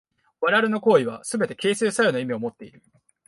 我々の行為はすべて形成作用の意味をもっている。